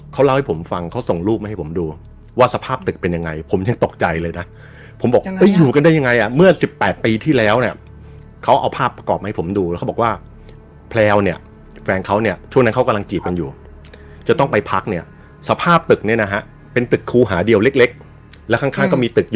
เขาเล่าให้ผมฟังเขาส่งรูปมาให้ผมดูว่าสภาพตึกเป็นยังไงผมยังตกใจเลยนะผมบอกอยู่กันได้ยังไงอ่ะเมื่อสิบแปดปีที่แล้วเนี่ยเขาเอาภาพประกอบให้ผมดูแล้วเขาบอกว่าแพลวเนี่ยแฟนเขาเนี่ยช่วงนั้นเขากำลังจีบกันอยู่จะต้องไปพักเนี่ยสภาพตึกเนี่ยนะฮะเป็นตึกครูหาเดียวเล็กเล็กแล้วข้างข้างก็มีตึก